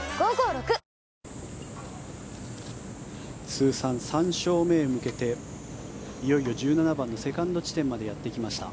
通算３勝目へ向けていよいよ１７番のセカンド地点までやってきました。